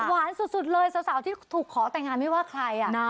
สุดเลยสาวที่ถูกขอแต่งงานไม่ว่าใคร